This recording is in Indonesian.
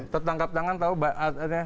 tertangkap tangan tau pak artanya